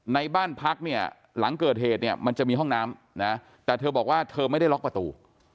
ในบ้านพักเนี่ยหลังเกิดเหตุเนี่ยมันจะมีห้องน้ำนะแต่เธอบอกว่าเธอไม่ได้ล็อกประตู